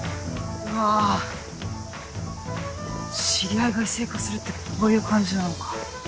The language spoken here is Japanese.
うわー知り合いが異性化するってこういう感じなのか。